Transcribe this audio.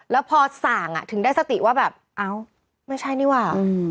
แล้วพอส่างถึงได้สติว่าแบบเอ้าไม่ใช่นี่หว่า